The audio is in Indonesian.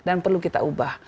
dan perlu kita ubah